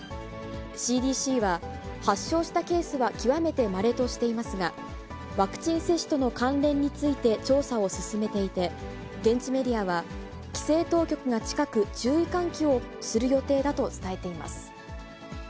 ＣＤＣは、発症したケースは極めてまれとしていますが、ワクチン接種との関連について調査を進めていて、現地メディアは、規制当局が近く、注意喚起をする予定だと伝えています。